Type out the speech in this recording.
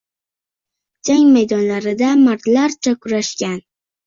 Jang maydonlarida mardlarcha kurashgan